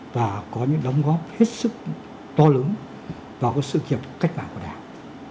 và có những đóng góp hết sức to lớn vào các sự kiệp cách mạng của đảng